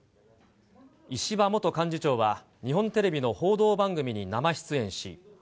石破元幹事長は、日本テレビの報道番組に生出演し。